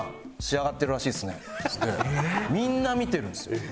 っつってみんな見てるんですよ。